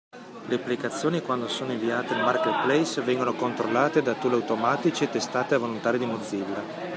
Le applicazioni quando sono inviate nel marketplace vengono controllate da tool automatici e testate da volontari di Mozilla.